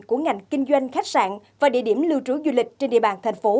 của ngành kinh doanh khách sạn và địa điểm lưu trú du lịch trên địa bàn thành phố